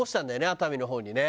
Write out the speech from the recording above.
熱海の方にね。